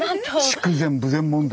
筑前豊前問題。